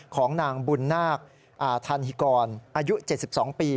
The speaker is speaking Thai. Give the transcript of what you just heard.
ของนางบุญนาคทันหิกรอายุ๗๒ปี